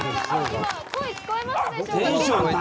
今、声聞こえますでしょうか。